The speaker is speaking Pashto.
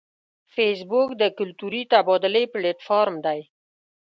فېسبوک د کلتوري تبادلې پلیټ فارم دی